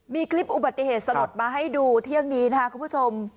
มีคลิปอุบัติเหตุสลดมาให้ดูเที่ยงนี้นะครับคุณผู้ชม